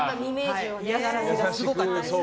嫌がらせがすごかったですね。